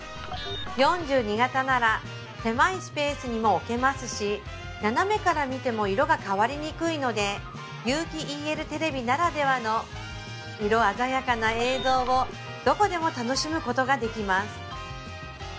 ４２型なら狭いスペースにも置けますし斜めから見ても色が変わりにくいので有機ＥＬテレビならではの色鮮やかな映像をどこでも楽しむことができます